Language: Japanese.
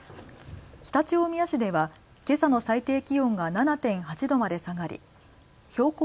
常陸大宮市では、けさの最低気温が７．８度まで下がり標高